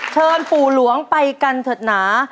เชิญปู่หลวงไปกันเถอะหนา